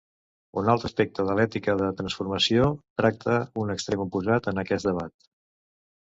Un altre aspecte de l'ètica de terraformació tracta un extrem oposat en aquest debat.